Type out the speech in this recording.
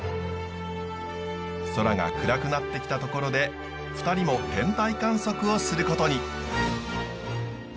空が暗くなってきたところで２人も天体観測をすることに。